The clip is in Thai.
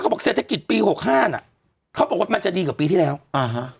บอกเศรษฐกิจปีหกห้าน่ะเขาบอกว่ามันจะดีกว่าปีที่แล้วอ่าฮะ